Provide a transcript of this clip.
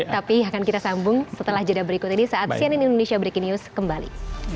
tapi akan kita sambung setelah jeda berikut ini saat cnn indonesia breaking news kembali